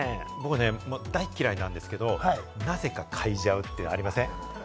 大嫌いなんですけれども、なぜか、かいじゃうってありません？